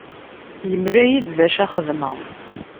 Yemla-iyi-d d acu ara xedmeɣ.